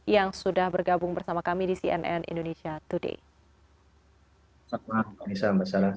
yang sudah bergabung bersama kami di cnn indonesia today